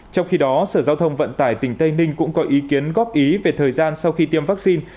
trong khi đó sở giao thông vận tải tỉnh tây ninh cũng có ý kiến góp ý về thời gian sau khi tiêm vaccine